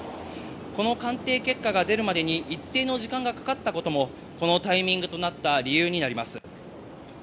この鑑定結果が出るまでに一定の時間がかかったこともこのタイミングとなった理由になります。